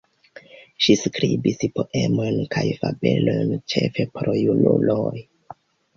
Ŝi skribis poemojn kaj fabelojn ĉefe por junuloj.